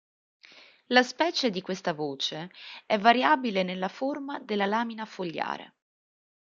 La specie di questa voce è variabile nella forma della lamina fogliare.